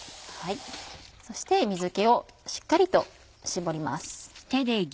そして水気をしっかりと絞ります。